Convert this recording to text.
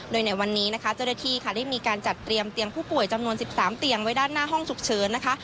โดยในวันนี้นะคะเจ้าหน้าที่ค่ะได้มีการจัดเตรียมเตียงผู้ป่วยจำนวน๑๓เตียงไว้ด้านหน้าห้องฉุกเฉินนะคะ